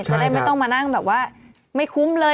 จะได้ไม่ต้องมานั่งแบบว่าไม่คุ้มเลย